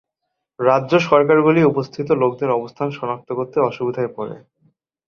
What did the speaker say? রাজ্য সরকারগুলি উপস্থিত লোকদের অবস্থান সনাক্ত করতে অসুবিধায় পড়ে।